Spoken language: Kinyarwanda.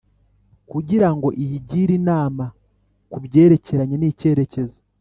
Kugira ngo iyigire inama ku byerekeranye n’cyerekezo